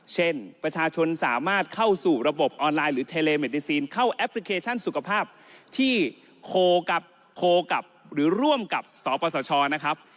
เช่นประชาชนสามารถเข้าสู่ระบบออนไลน์หรือเทเลเมดดิซีนเข้าแอปพลิเคชันสุขภาพที่โคกับหรือร่วมกับสปสชนะครับ